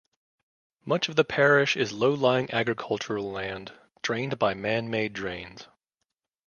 Much of the parish is low-lying agricultural land drained by man-made drains.